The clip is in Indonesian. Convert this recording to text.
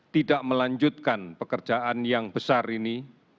tidak melanjutkan pekerjaan yang besar ini